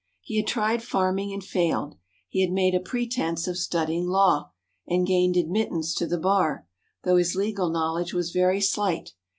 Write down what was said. He had tried farming and failed. He had made a pretense of studying law, and gained admittance to the bar, though his legal knowledge was very slight.